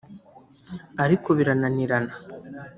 ariko birananirana